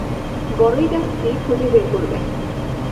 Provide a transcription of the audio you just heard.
বড়ই গাছটি খুঁজে বের করবেন।